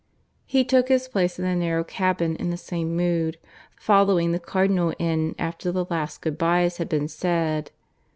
He took his place in the narrow cabin in the same mood, following the Cardinal in after the last good byes had been said.